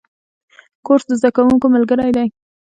کورس د زده کوونکو ملګری دی.